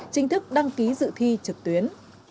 chính thức đăng ký dự thi trực tuyến